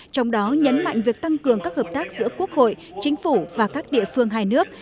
trong đó nhấn mạnh việc tăng cường các hợp tác giữa quốc hội chính phủ và các địa phương hai nước